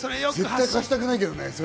絶対、貸したくないけどね。